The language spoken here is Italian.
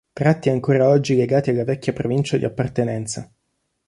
Tratti ancora oggi legati alla vecchia provincia di appartenenza.